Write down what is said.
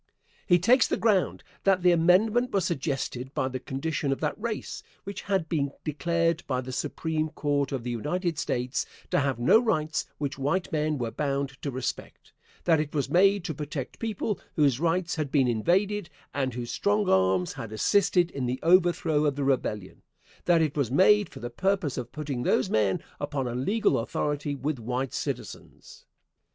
He takes the ground that the amendment was suggested by the condition of that race, which had been declared by the Supreme Court of the United States to have no rights which white men were bound to respect; that it was made to protect people whose rights had been invaded, and whose strong arms had assisted in the overthrow of the Rebellion; that it was made for the purpose of putting these men upon a legal authority with white citizens.